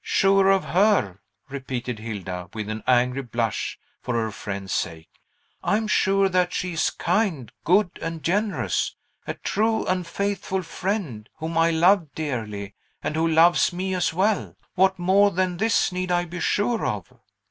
"Sure of her!" repeated Hilda, with an angry blush, for her friend's sake. "I am sure that she is kind, good, and generous; a true and faithful friend, whom I love dearly, and who loves me as well! What more than this need I be sure of?"